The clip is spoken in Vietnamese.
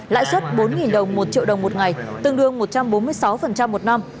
lãi suất bốn đồng một triệu đồng một ngày tương đương một trăm bốn mươi sáu một năm